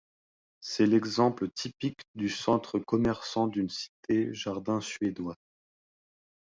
C'est l'exemple typique du centre commerçant d'une cité jardin suédoise.